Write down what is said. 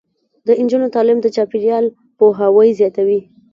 د نجونو تعلیم د چاپیریال پوهاوی زیاتوي.